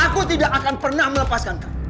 aku tidak akan pernah melepaskan kau